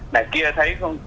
này kia thấy không